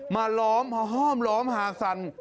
มาล้อมห้อมล้อมหาสัน